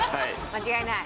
間違いない。